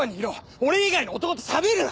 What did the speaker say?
俺以外の男としゃべるな！